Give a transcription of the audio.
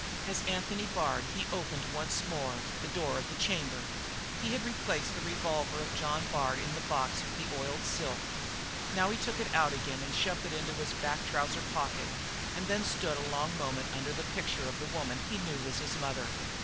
As Anthony Bard he opened once more the door of the chamber. He had replaced the revolver of John Bard in the box with the oiled silk. Now he took it out again and shoved it into his back trouser pocket, and then stood a long moment under the picture of the woman he knew was his mother.